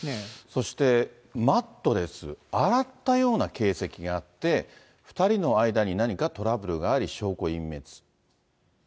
そしてマットレス、洗ったような形跡があって、２人の間に何かトラブルがあり、証拠隠滅。